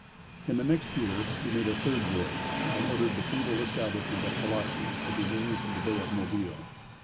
In the next year he made a third voyage, and ordered the feeble establishment at Biloxi to be moved to the bay of Mobile.